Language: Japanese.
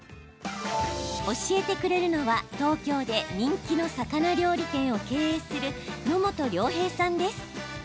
教えてくれるのは東京で人気の魚料理店を経営する野本良平さんです。